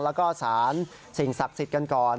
แล้วก็สารสิ่งศักดิ์สิทธิ์กันก่อน